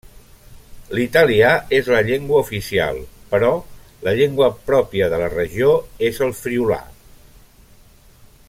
L'italià és la llengua oficial, però la llengua pròpia de la regió és el friülà.